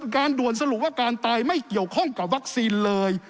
การด่วนสรุปว่าการตายไม่เกี่ยวข้องกับวัคซีนเลย